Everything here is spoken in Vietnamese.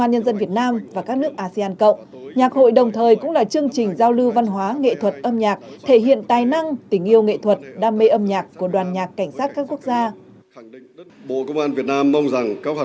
nhạc hội đồng thời cũng là chương trình giao lưu văn hóa nghệ thuật âm nhạc thể hiện tài năng tình yêu nghệ thuật đam mê âm nhạc của đoàn nhạc cảnh sát các quốc gia